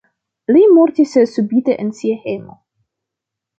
Li mortis subite en sia hejmo.